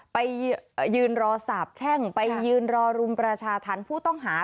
ไปยืนรอสาบแช่งไปยืนรอรุมประชาธรรมผู้ต้องหา